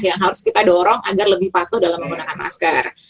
yang harus kita dorong agar lebih patuh dalam menggunakan masker